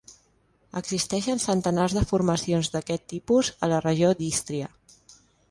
Existeixen centenars de formacions d'aquest tipus a la regió d'Ístria.